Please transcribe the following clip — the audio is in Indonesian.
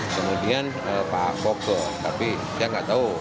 kemudian pak poko tapi saya tidak tahu